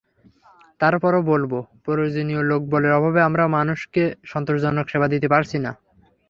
তারপরও বলব, প্রয়োজনীয় লোকবলের অভাবে আমরা মানুষকে সন্তোষজনক সেবা দিতে পারছি না।